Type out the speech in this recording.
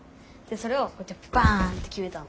それをこうやってバンってきめたの。